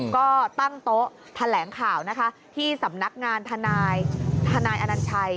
ก็ตั้งโต๊ะแถลงข่าวนะคะที่สำนักงานทนายทนายอนัญชัย